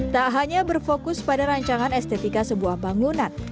tak hanya berfokus pada rancangan estetika sebuah bangunan